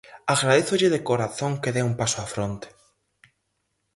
Agradézolle de corazón que dea un paso á fronte.